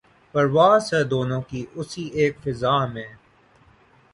پرواز ہے دونوں کی اسی ایک فضا میں